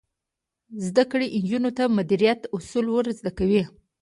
زده کړه نجونو ته د مدیریت اصول ور زده کوي.